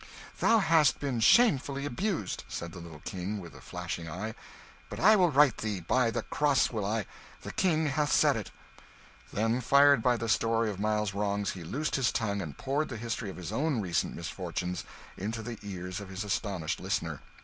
"Thou hast been shamefully abused!" said the little King, with a flashing eye. "But I will right thee by the cross will I! The King hath said it." Then, fired by the story of Miles's wrongs, he loosed his tongue and poured the history of his own recent misfortunes into the ears of his astonished listener.